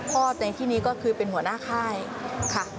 ในที่นี้ก็คือเป็นหัวหน้าค่ายค่ะ